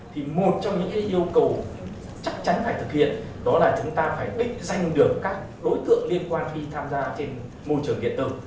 thì một trong những yêu cầu chắc chắn phải thực hiện đó là chúng ta phải định danh được các đối tượng liên quan khi tham gia trên môi trường điện tử